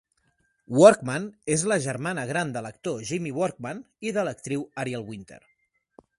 Workman és la germana gran de l'actor Jimmy Workman i de l'actiu Ariel Winter.